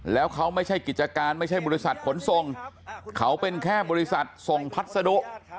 แล้วเขาไม่ใช่กิจการไม่ใช่บริษัทขนส่งเขาเป็นแค่บริษัทส่งพัสดุ